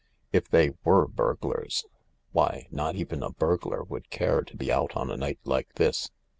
" If they were burglars. Why, not even a burglar would care to be out on a night like this.